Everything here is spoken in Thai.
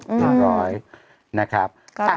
เรียบร้อยนะครับ